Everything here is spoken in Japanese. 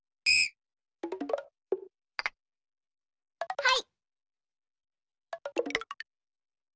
はい。